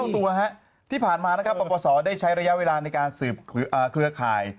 ไหลเท่าตัวฮะที่ผ่านมาปฏิเสธได้ใช้ระยะเวลาในการสืบเครือข่าย